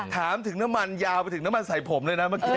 ถามถึงน้ำมันยาวไปถึงน้ำมันใส่ผมเลยนะเมื่อกี้